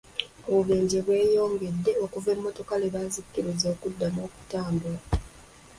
Obubenje bweyongedde okuva emmotoka lwe baazikkiriza okuddamu okutambula.